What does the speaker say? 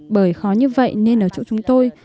bởi khó như vậy nên ở chỗ chúng tôi